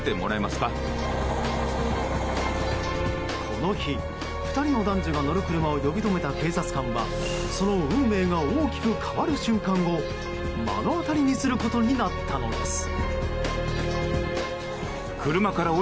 この日、２人の男女が乗る車を呼び止めた警察官はその運命が大きく変わる瞬間を目の当たりにすることになったのです。